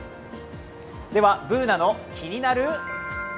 では「ＢｏｏｎａのキニナルＬＩＦＥ」。